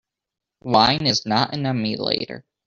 Wine is not an emulator.